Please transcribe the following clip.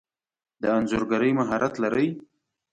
د انځورګری مهارت لرئ؟